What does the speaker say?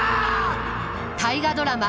大河ドラマ